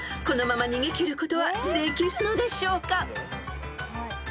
［このまま逃げ切ることはできるのでしょうか？］